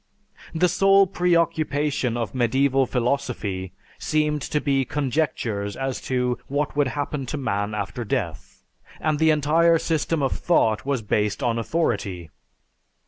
The sole preoccupation of medieval philosophy seemed to be conjectures as to what would happen to man after death, and the entire system of thought was based on authority.